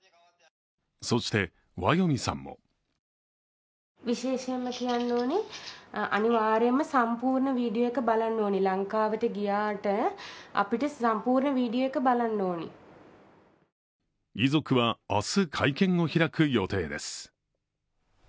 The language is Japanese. そして、ワヨミさんも遺族は明日、会見を開く予定です